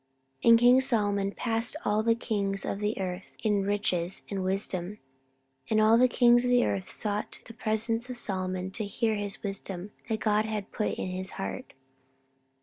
14:009:022 And king Solomon passed all the kings of the earth in riches and wisdom. 14:009:023 And all the kings of the earth sought the presence of Solomon, to hear his wisdom, that God had put in his heart.